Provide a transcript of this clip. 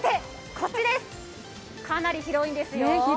かなり広いんですよ。